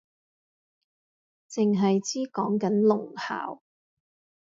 剩係知講緊聾校